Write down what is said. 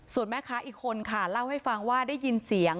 ส่วนแม่ค้าอีกคนค่ะเล่าให้ฟังว่าได้ยินเสียง